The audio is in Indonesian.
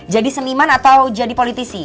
jadi seniman atau jadi politisi